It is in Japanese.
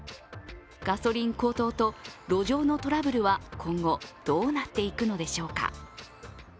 ガソリン高騰と路上のトラブルは今後どうなっていくのでしょうか。